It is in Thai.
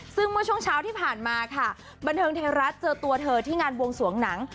ซึ่งเมื่อช่วงเช้าที่ผ่านมาค่ะบันเทิงไทยรัฐเจอตัวเธอที่งานบวงสวงหนัง